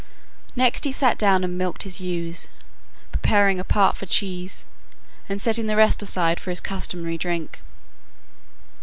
Next he sat down and milked his ewes, preparing a part for cheese, and setting the rest aside for his customary drink.